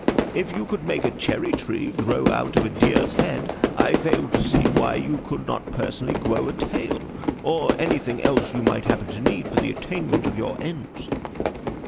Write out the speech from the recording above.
If you could make a cherry tree grow out of a deer's head, I fail to see why you could not personally grow a tail, or anything else you might happen to need for the attainment of your ends."